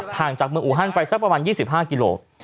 ทางทางเมืองอุหั้นไปสักประมาณ๒๕กิโลเงิน